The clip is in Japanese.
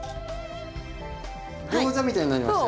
ギョーザみたいになりましたよ。